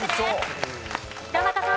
弘中さん。